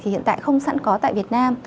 thì hiện tại không sẵn có tại việt nam